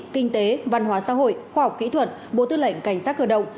kinh tế văn hóa xã hội khoa học kỹ thuật bộ tư lệnh cảnh sát cơ động